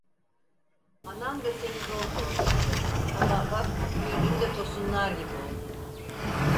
Anan da seni zor doğurmuştu ama, bak büyüdün de tosunlar gibi oldun.